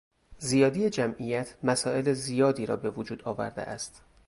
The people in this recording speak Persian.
زیادی جمعیت مسائل زیادی را به وجود آورده است.